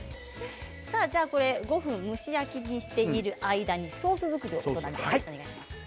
５分、蒸し焼きにしている間にソース作りをお願いします。